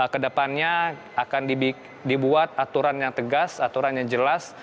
kedepannya akan dibuat aturan yang tegas aturan yang jelas